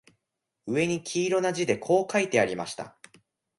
上に黄色な字でこう書いてありました